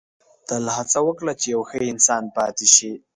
• تل هڅه وکړه چې یو ښه انسان پاتې شې.